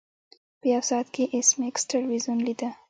په یو ساعت کې ایس میکس تلویزیون لیده